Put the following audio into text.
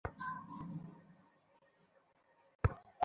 কারণ থোরিয়াম একটি তেজস্ক্রিয় পদার্থ।